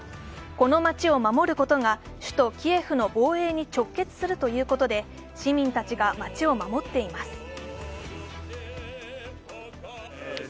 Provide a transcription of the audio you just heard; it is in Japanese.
この町を守ることが首都キエフの防衛に直結するということで市民たちが町を守っています。